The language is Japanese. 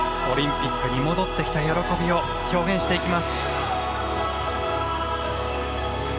オリンピックに戻ってきた喜びを表現していきます。